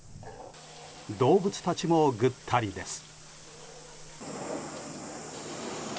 動物たちもぐったりです。